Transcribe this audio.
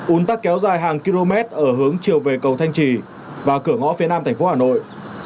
ún tắc kéo dài hàng km ở hướng chiều về cầu thanh trì và cửa ngõ phía nam thành phố hà nội